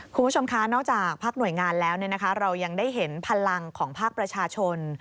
คุณผู้ชมคะนอกจากภาคหน่วยงานแล้วเรายังได้เห็นพลังของภาคประชาชน